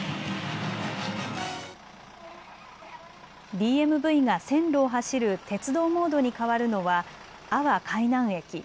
ＤＭＶが線路を走る鉄道モードに変わるのは阿波海南駅。